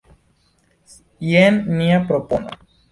Jen nia propono.